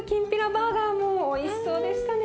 バーガーもおいしそうでしたね。